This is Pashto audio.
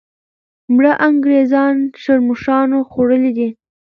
مړه انګریزان ښرموښانو خوړلي دي.